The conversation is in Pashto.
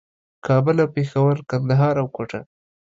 کابل او پېښور، کندهار او کوټه